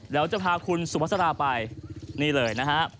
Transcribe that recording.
แล้วจะพาคุณสุภาษาไปนี่เลยนะครับ